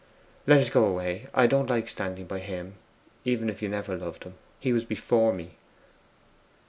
'Let us go away. I don't like standing by HIM, even if you never loved him. He was BEFORE me.